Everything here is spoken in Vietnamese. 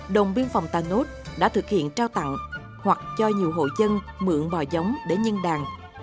đồng biên phòng tà nốt đã thực hiện trao tặng hoặc cho nhiều hộ dân mượn bò giống để nhân đàn